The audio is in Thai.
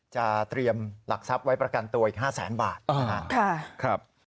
จะเตรียมหลักทรัพย์ไว้ประกันตัวอีก๕แสนบาทนะครับ